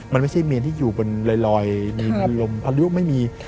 มันไม่ใช่เมนที่อยู่บนลอยมีลมพายุไม่มี